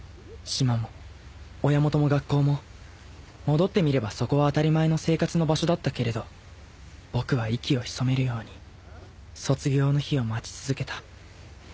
島も親元も学校も戻ってみればそこは当たり前の生活の場所だったけれど僕は息を潜めるように卒業の日を待ち続けた